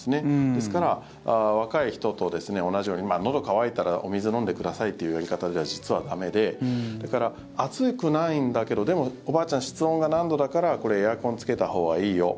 ですから、若い人と同じようにのど渇いたらお水飲んでくださいというやり方では、実は駄目で暑くないんだけどでも、おばあちゃん室温が何度だからエアコンつけたほうがいいよ。